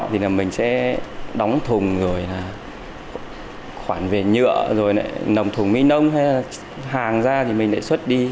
thì là mình sẽ đóng thùng rồi là khoản về nhựa rồi nồng thùng mi nông hay là hàng ra thì mình lại xuất đi